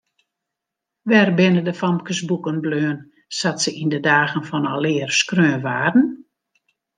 Wêr binne de famkesboeken bleaun sa't se yn de dagen fan alear skreaun waarden?